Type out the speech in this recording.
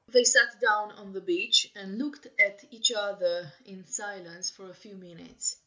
They sat down on the beach and looked at each other in silence for a few minutes.